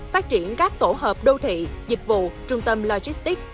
phát triển các tổ hợp đô thị dịch vụ trung tâm logistics